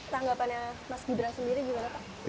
tanggapannya mas gibran sendiri gimana pak